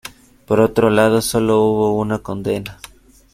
Por otro lado, solo hubo una condena.